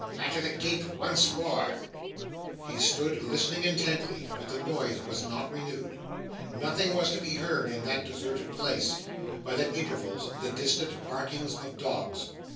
Batter the gate once more!' He stood listening intently, but the noise was not renewed. Nothing was to be heard in that deserted place, but, at intervals, the distant barkings of dogs.